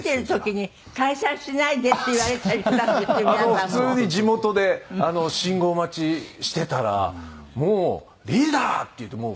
普通に地元で信号待ちしてたらもう「リーダー！」って言ってもうとっつかまって。